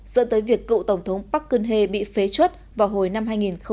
dẫn tới việc cựu tổng thống park geun hye bị phế chuất vào hồi năm hai nghìn một mươi bảy